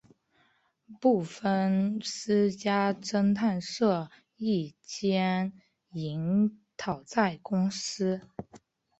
部份私家侦探社亦兼营讨债公司。